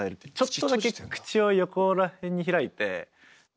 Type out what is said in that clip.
ちょっとだけ口を横ら辺に開いて。